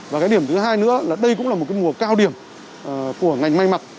và cái điểm thứ hai nữa là đây cũng là một cái mùa cao điểm của ngành may mặc